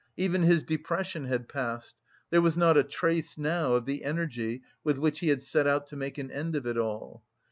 Even his depression had passed, there was not a trace now of the energy with which he had set out "to make an end of it all."